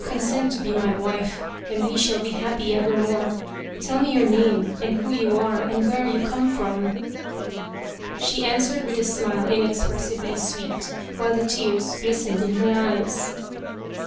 Consent to be my wife and we shall be happy evermore. Tell me your name and who you are and where you come from." She answered with a smile inexpressibly sweet, while the tears glistened in her eyes.